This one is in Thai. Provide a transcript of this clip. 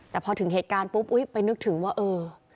แต่พอถึงเหตุการณ์ปุ๊บอุ๊ยไปนึกถึงว่าเออ